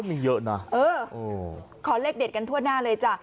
มีเยอะนะเออขอเลขเด็ดกันทั่วหน้าเลยจ้ะ